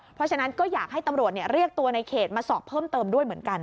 เพราะฉะนั้นก็อยากให้ตำรวจเรียกตัวในเขตมาสอบเพิ่มเติมด้วยเหมือนกัน